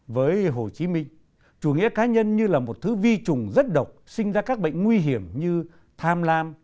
với hồ chí minh chủ nghĩa cá nhân như là một thứ vi trùng rất độc sinh ra các bệnh nguy hiểm như tham lam